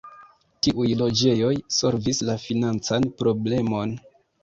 Tiuj loĝejoj solvis la financan problemon.